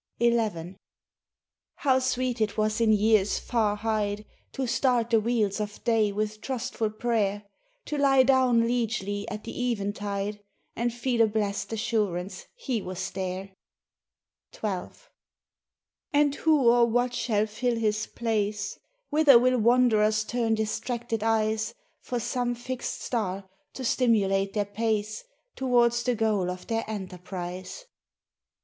XI "How sweet it was in years far hied To start the wheels of day with trustful prayer, To lie down liegely at the eventide And feel a blest assurance he was there! XII "And who or what shall fill his place? Whither will wanderers turn distracted eyes For some fixed star to stimulate their pace Towards the goal of their enterprise?"